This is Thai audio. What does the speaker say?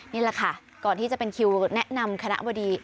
นี่แหละค่ะก่อนที่จะเป็นคิวแนะนำคณะบดี